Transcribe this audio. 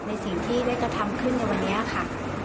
ในสิ่งที่ได้กระทำขึ้นในวันนี้ค่ะ